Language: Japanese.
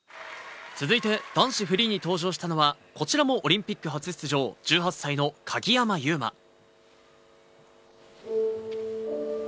続いて、男子フリーに登場したのは、こちらもオリンピック初出場、１８歳の鍵山優真。